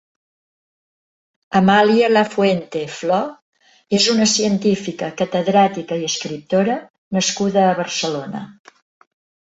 Amàlia Lafuente Flo és una científica, catedràtica i escriptora nascuda a Barcelona.